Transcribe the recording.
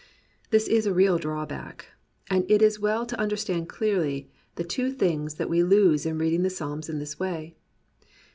This is a real drawback; and it is well to understand clearly the two things that we lose in reading the Psalms in this way.